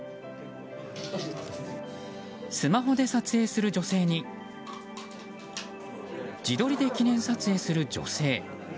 スマホで撮影する女性に自撮りで記念撮影する女性。